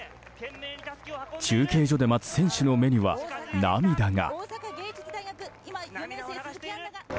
中継所で待つ選手の目には涙が。